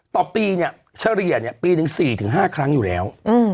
ต่อปีเฉลี่ยปีถึง๔๕ครั้งอยู่แล้ว